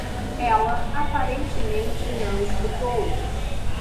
Ela aparentemente não escutou.